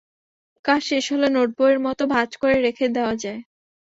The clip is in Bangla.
কাজ শেষ হলে নোটবইয়ের মতো ভাঁজ করে রেখে দেওয়া যায়।